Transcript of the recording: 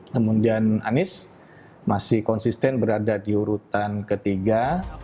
kemudian anies masih konsisten berada di urutan ketiga